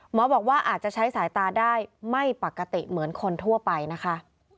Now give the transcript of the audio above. บอกว่าอาจจะใช้สายตาได้ไม่ปกติเหมือนคนทั่วไปนะคะ